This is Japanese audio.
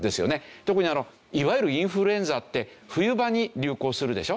特にいわゆるインフルエンザって冬場に流行するでしょ